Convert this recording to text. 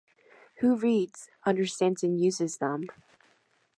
Who reads, understands and uses them?